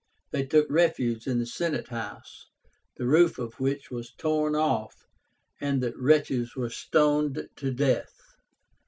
They took refuge in the Senate House, the roof of which was torn off, and the wretches were stoned to death.